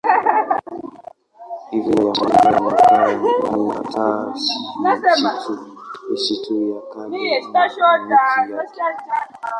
Hivyo asili ya makaa ni hasa misitu ya kale na miti yake.